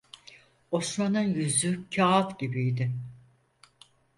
Osman'ın yüzü kağıt gibiydi.